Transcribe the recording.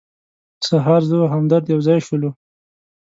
سهار زه او همدرد یو ځای شولو.